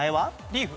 リーフ。